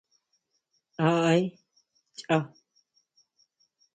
¿A aé chaá?